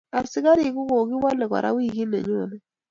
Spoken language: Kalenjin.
Askarik kokiwale kora wikit nenyone.